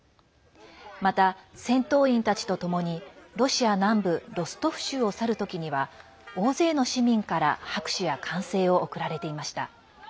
また、戦闘員たちとともにロシア南部ロストフ州を去る時には大勢の市民から拍手や歓声を送られていました。